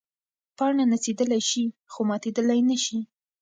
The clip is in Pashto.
پاڼه نڅېدلی شي خو ماتېدلی نه شي.